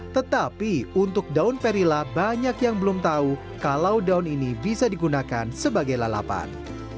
tetapi untuk daun perila banyak yang belum tahu kalau daun ini bisa digunakan sebagai lalapan